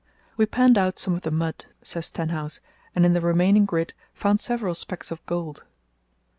"We panned out some of the mud," says Stenhouse, "and in the remaining grit found several specks of gold."